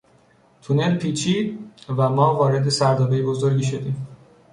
تونل پیچید و ما وارد سردابهی بزرگی شدیم.